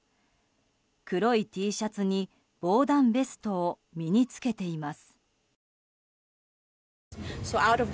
黒いＴシャツ姿に防弾ベストを身に着けています。